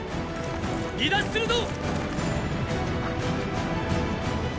離脱するぞ！